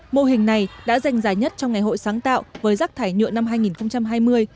mô hình này đã dành dài nhất trong ngày hội sáng tạo với rắc thải nhuộm năm hai nghìn hai mươi